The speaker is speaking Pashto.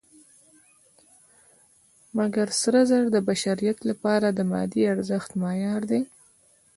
مګر سره زر د بشریت لپاره د مادي ارزښت معیار دی.